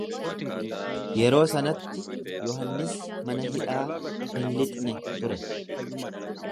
Yeroo sanatti Yohannis mana hidhaa hin lixne ture.